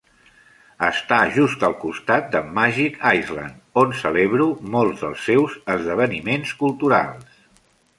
Està just al costat de "Magic Island" on celebro molts dels seus esdeveniments culturals.